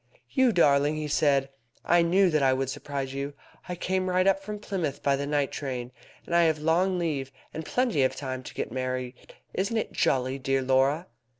"You darling!" he said; "I knew that I would surprise you. I came right up from Plymouth by the night train. And I have long leave, and plenty of time to get married. Isn't it jolly, dear Laura?"